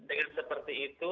dengan seperti itu